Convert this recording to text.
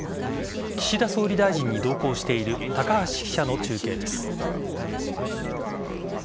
岸田総理大臣に同行している高橋記者の中継です。